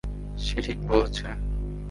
সে ঠিক বলেছে।